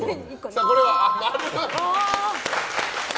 これは、〇！